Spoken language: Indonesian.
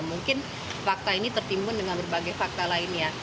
mungkin fakta ini tertimbun dengan berbagai fakta lainnya